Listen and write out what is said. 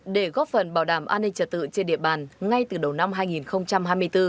để góp phần bảo đảm an ninh trật tự trên địa bàn ngay từ đầu năm hai nghìn hai mươi bốn